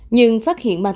nhưng phát hiện màn hình này